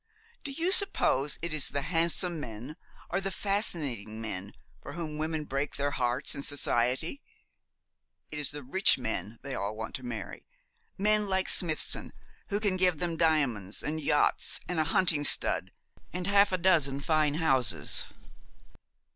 Do you suppose it is the handsome men or the fascinating men for whom women break their hearts in society? It is the rich men they all want to marry men like Smithson, who can give them diamonds, and yachts, and a hunting stud, and half a dozen fine houses.